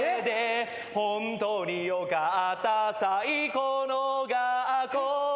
「ホントによかった最高の学校」